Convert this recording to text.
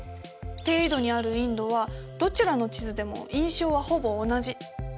低緯度にあるインドはどちらの地図でも印象はほぼ同じ。